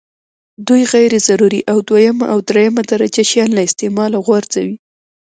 دوی غیر ضروري او دویمه او درېمه درجه شیان له استعماله غورځوي.